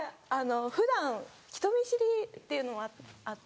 普段人見知りっていうのもあって。